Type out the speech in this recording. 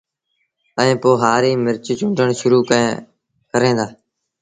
ائيٚݩ پو هآريٚ مرچ چُونڊڻ شرو ڪين دآ